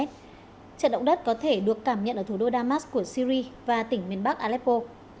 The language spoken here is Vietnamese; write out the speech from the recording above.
trận động đất có thể được cảm nhận ở thủ đô damas của syri và tỉnh miền bắc aleppo